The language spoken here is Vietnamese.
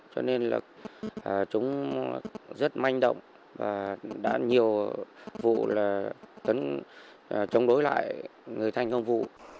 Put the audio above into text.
cho nên là chúng rất manh động và đã nhiều vụ là chống đối lại người thành công vụ